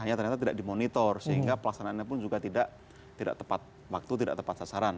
yang ternyata tidak dimonitor sehingga pelaksanaannya pun juga tidak tepat waktu tidak tepat sasaran